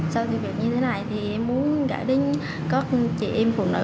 sau sự việc như thế này em muốn gãi đến các chị em phụ nữ